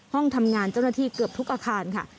ห้องทำงานเจ้าหน้าที่เกือบทุกอาคารค่ะ